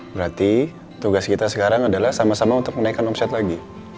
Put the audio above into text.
berarti tugas kita sekarang adalah sama sama untuk menaikkan omset lagi